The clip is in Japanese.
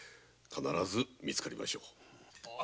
必ず見つかりましょう。